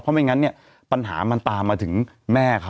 เพราะไม่งั้นปัญหามันตามมาถึงแม่เขา